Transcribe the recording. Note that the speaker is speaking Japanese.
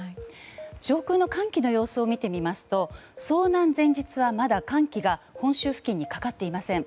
上空の寒気の様子を見てみますと遭難前日は、まだ寒気が本州付近にかかっていません。